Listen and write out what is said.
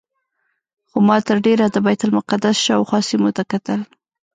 خو ما تر ډېره د بیت المقدس شاوخوا سیمو ته کتل.